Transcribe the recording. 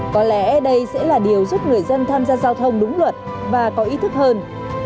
có lẽ đây sẽ là điều giúp người dân tham gia giao thông đúng luật và có ý thức hơn